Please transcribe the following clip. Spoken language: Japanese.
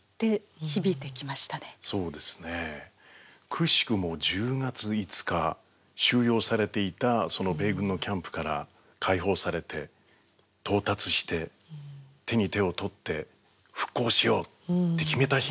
くしくも１０月５日収容されていたその米軍のキャンプから解放されて到達して手に手を取って復興しようって決めた日が開店の日。